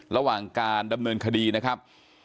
ระหว่างการดำเนินคดีนะครับ